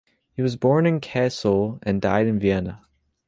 He was born in Kassel, and died in Vienna.